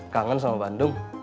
kangen sama bandung